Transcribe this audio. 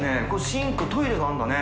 シンクトイレがあるんだね。